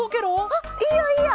あっいいよいいよ！